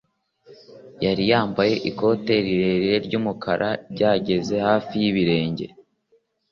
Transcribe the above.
Yari yambaye ikote rirerire ryumukara ryageze hafi yibirenge